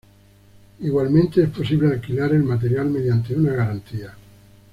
Igualmente, es posible alquilar el material mediante una garantía.